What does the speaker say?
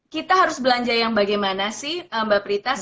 kita harus belanja yang bagaimana sih mbak pritas